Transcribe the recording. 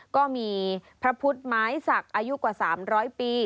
ก็มีพระพุทธไม้ศักดิ์อายุกว่า๓๐๐ปี